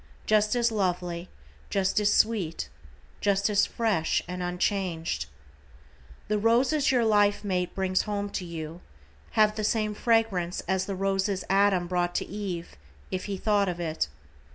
Just as lovely, just as sweet, just as fresh and unchanged. The roses your life mate brings home to you, have the same fragrance as the roses Adam brought to Eve, if he thought of it.